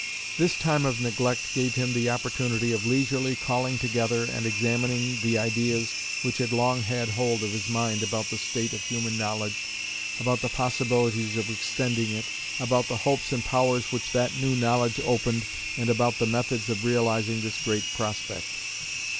This time of neglect gave him the opportunity of leisurely calling together and examining the ideas which had long had hold of his mind about the state of human knowledge, about the possibilities of extending it, about the hopes and powers which that new knowledge opened, and about the methods of realising this great prospect.